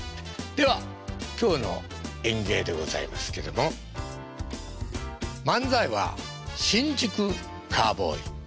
では今日の演芸でございますけども漫才は新宿カウボーイ。